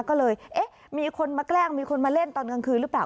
ก็เลยเอ๊ะมีคนมาแกล้งมีคนมาเล่นตอนกลางคืนหรือเปล่า